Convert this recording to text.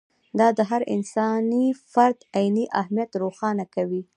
دا د هر انساني فرد عیني اهمیت روښانه کوي.